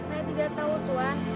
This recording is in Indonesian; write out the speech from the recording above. saya tidak tahu tuhan